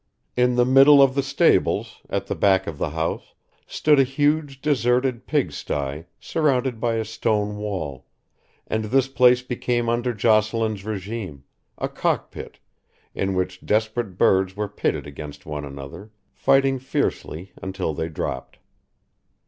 In the middle of the stables, at the back of the house, stood a huge deserted pigsty surrounded by a stone wall, and this place became under Jocelyn's regime, a cockpit, in which desperate birds were pitted against one another, fighting fiercely until they dropped.